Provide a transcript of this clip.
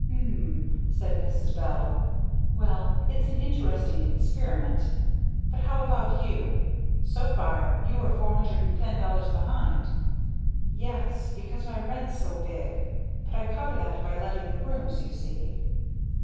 "M'm!" said Mrs. Bell. "Well, it's an interesting experiment. But how about you? So far you are $410 behind." "Yes, because my rent's so big. But I cover that by letting the rooms, you see."